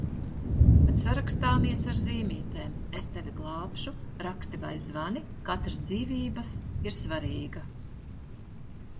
Bet sarakstāmies ar zīmītēm: es tevi glābšu, raksti vai zvani, katra dzīvības ir svarīga!